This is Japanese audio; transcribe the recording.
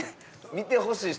見てほしい人